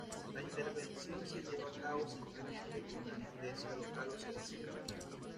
La intervención se lleva a cabo simplemente con anestesia local o sedación.